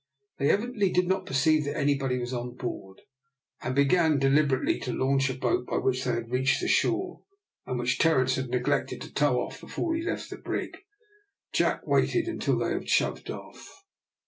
They evidently did not perceive that anybody was on board, and began deliberately to launch the boat by which they had reached the shore, and which Terence had neglected to tow off before he left the brig. Jack waited till they had shoved off.